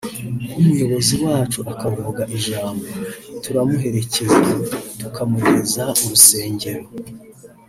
nk’umuyobozi wacu akavuga ijambo…turamuherekeza tukamugeza mu rusengero